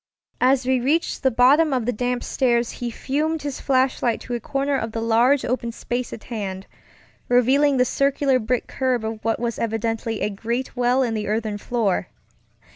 As we reached the bottom of the damp stairs he turned his flashlight to a corner of the large open space at hand, revealing the circular brick curb of what was evidently a great well in the earthen floor.